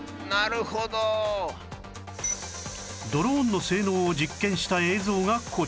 ドローンの性能を実験した映像がこちら